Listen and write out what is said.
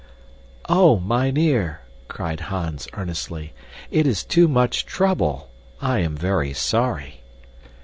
"Oh, mynheer," cried Hans, earnestly, "it is too much trouble. I am very sorry."